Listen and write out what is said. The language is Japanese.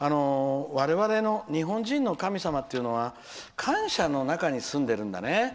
我々、日本人の神様というのは感謝の中に住んでるんだね。